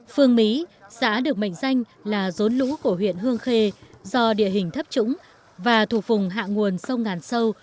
phương mỹ xã được mệnh danh là rốn lũ của huyện hương khê do địa hình thấp trũng và thuộc vùng hạ nguồn sông ngàn sâu